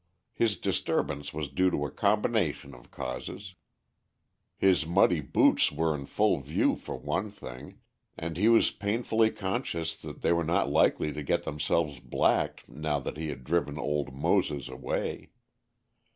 His disturbance was due to a combination of causes. His muddy boots were in full view for one thing, and he was painfully conscious that they were not likely to get themselves blacked now that he had driven old Moses away.